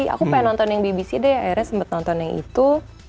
aku pengen nonton yang babc deh akhirnya sempat nonton yang itu